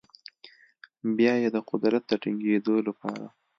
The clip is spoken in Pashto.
بیا یې د قدرت د ټینګیدو لپاره